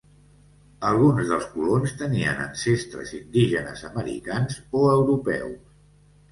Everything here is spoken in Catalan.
Alguns dels colons tenien ancestres indígenes americans o europeus.